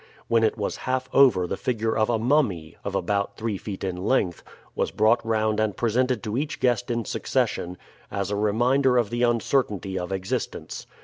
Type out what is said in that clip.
When it was half over the figure of a mummy, of about three feet in length, was brought round and presented to each guest in succession, as a reminder of the uncertainty of existence.